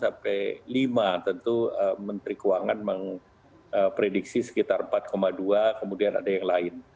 jadi tentu menteri keuangan memprediksi sekitar empat dua kemudian ada yang lain